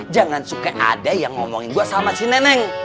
jangan suka ada yang ngomongin gue sama si neneng